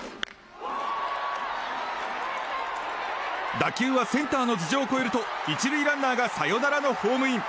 打球はセンターの頭上を越えると１塁ランナーがサヨナラのホームイン。